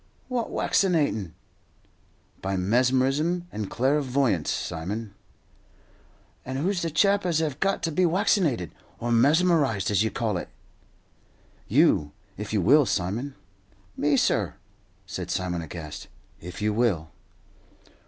"What, waccinatin'?" "By mesmerism and clairvoyance, Simon." "And who's the chap as hev got to be waccinated or mesmerized, as you call it?" "You, if you will, Simon." "Me, sir?" said Simon, aghast. "If you will."